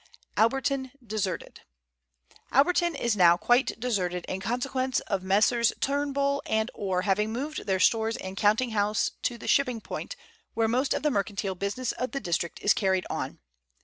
ALBERTON DESERTED. Albefton is now quite deserted in consequence of Messrs. Turnbull and Orr having moved their stores and counting house to the Shipping Point, where most of the mercantile business of the district is carried on.